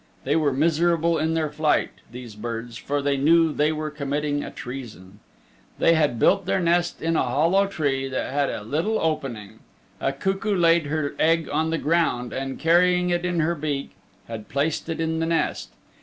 They were miserable in their flight, these birds, for they knew they were committing a treason. They had built their nest in a hollow tree that had a little opening. A cuckoo laid her egg on the ground and, carrying it in her beak, had placed it in the nest.